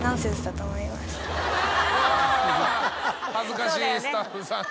あぁ恥ずかしいスタッフさん。